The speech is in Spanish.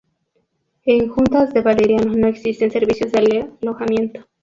En Juntas de Valeriano no existen servicios de alojamiento.